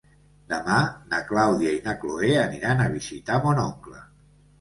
Demà na Clàudia i na Cloè aniran a visitar mon oncle.